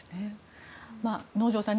能條さん